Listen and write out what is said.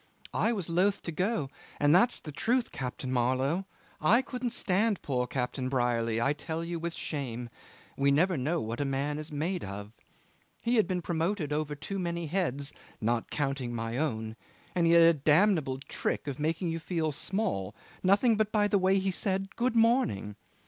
I was loth to go, and that's the truth, Captain Marlow I couldn't stand poor Captain Brierly, I tell you with shame; we never know what a man is made of. He had been promoted over too many heads, not counting my own, and he had a damnable trick of making you feel small, nothing but by the way he said 'Good morning.